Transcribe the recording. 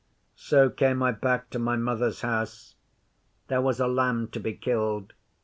'So came I back to my Mother's house. There was a lamb to be killed.